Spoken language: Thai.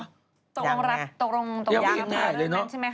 ยังไงยังไม่ได้ถ่ายเรื่องนั้นใช่ไหมคะตกลงรับตกลงรับ